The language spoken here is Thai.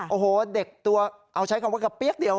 โอ้โหเด็กตัวเอาใช้คำว่ากระเปี๊ยกเดียว